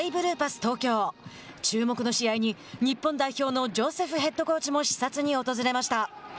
東京日本代表のジョセフヘッドコーチも視察に訪れました。